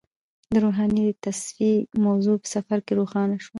د روحاني تصفیې موضوع په سفر کې روښانه شوه.